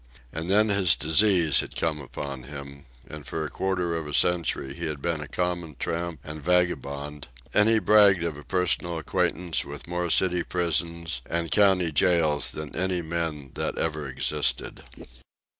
And then his disease had come upon him, and for a quarter of a century he had been a common tramp and vagabond, and he bragged of a personal acquaintance with more city prisons and county jails than any man that ever existed.